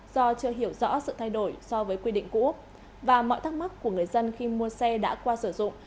do chưa hiểu rõ sự thay đổi so với quy định cũ và mọi thắc mắc của người dân khi mua xe đã qua sử dụng